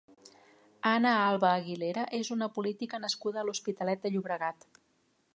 Ana Alba Aguilera és una política nascuda a l'Hospitalet de Llobregat.